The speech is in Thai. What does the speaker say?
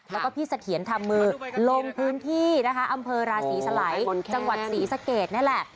แล้วก็พี่เสถียรทำมือลงพื้นที่นะคะอำเภอราศีสลัยจังหวัดศรีสะเกดนี่แหละ